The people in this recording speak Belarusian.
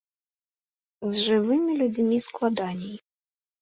З жывымі людзьмі складаней.